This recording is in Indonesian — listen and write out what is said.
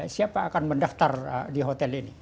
siapa akan mendaftar di hotel ini